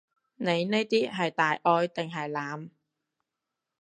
你呢啲係大愛定係濫？